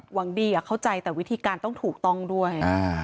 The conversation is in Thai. หวังดีเข้าใจแต่วิธีการต้องถูกต้องด้วย